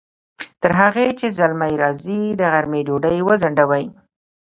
تر هغې چې زلمی راځي، د غرمې ډوډۍ وځڼډوئ!